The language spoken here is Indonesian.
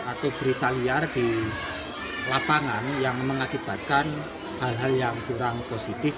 atau berita liar di lapangan yang mengakibatkan hal hal yang kurang positif